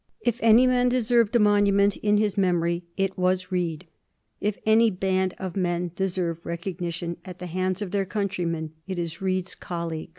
If any man deserved a monument to his memory, it was Reed. If any band of men deserve recognition at the hands of their country men, it is Reed's colleagues.